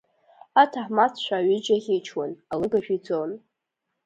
Аҭаҳмадцәа аҩыџьа ӷьычуан, алыгажә иӡон.